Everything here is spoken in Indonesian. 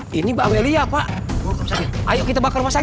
gimana sama perkembangannya siang